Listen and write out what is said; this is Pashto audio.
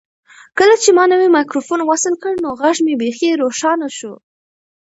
کله چې ما نوی مایکروفون وصل کړ نو غږ مې بیخي روښانه شو.